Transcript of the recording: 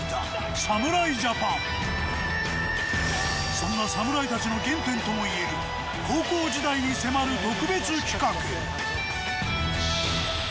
そんな侍たちの原点ともいえる高校時代に迫る特別企画。